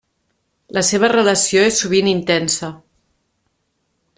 La seva relació és sovint intensa.